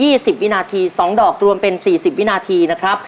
สิบวินาทีสองดอกรวมเป็นสี่สิบวินาทีนะครับ